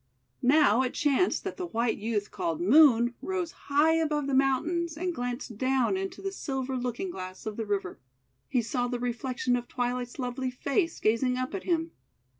Now it chanced that the white youth, called Moon, rose high above the mountains, and glanced down into the silver looking glass of the river. He saw the reflection of Twilight's lovely face gazing up at him.